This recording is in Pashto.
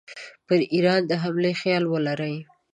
پر ایران د حملې خیال ولري.